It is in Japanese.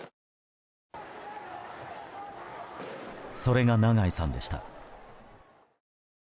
それが、長井さんでした。